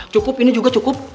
cukup ini juga cukup